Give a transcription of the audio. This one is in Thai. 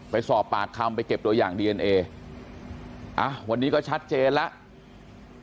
ไปสอบปากคำไปเก็บตัวอย่างดีเอนเออ่ะวันนี้ก็ชัดเจนแล้ว